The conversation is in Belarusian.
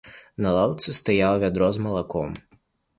На лаўцы стаяла вядро з малаком.